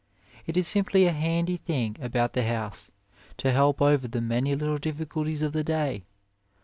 It is simply a handy thing about the house, to help over the many little difficulties of the day.